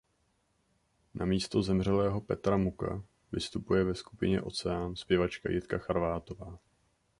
Namísto zemřelého Petra Muka vystupuje ve skupině Oceán zpěvačka Jitka Charvátová.